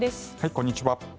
こんにちは。